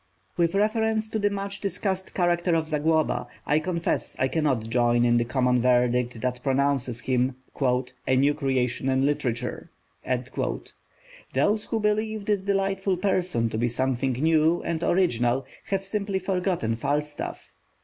With reference to the much discussed character of Zagloba, I confess I cannot join in the common verdict that pronounces him a "new creation in literature." Those who believe this delightful person to be something new and original have simply forgotten Falstaff.